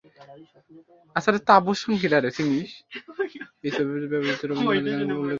এই ছবিতে ব্যবহৃত রবীন্দ্রনাথের গানগুলি উল্লেখনীয়।